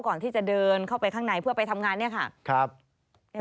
ก่อนที่จะเดินเข้าไปข้างในเพื่อไปทำงานเนี่ยค่ะ